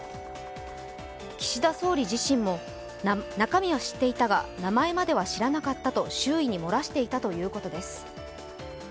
岸田総理自身も中身は知っていたが名前までは知らなかったと周囲に漏らしていたということです。